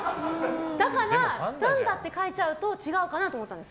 だから、パンダって書いちゃうと違うかなと思ったんです。